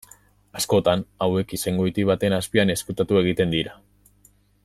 Askotan, hauek izengoiti baten azpian ezkutatu egiten dira.